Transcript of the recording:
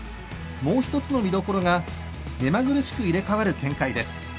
もう１つの見どころが目まぐるしく変わる展開です。